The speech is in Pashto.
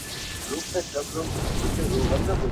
نور به نه اورې ژړا د ماشومانو!!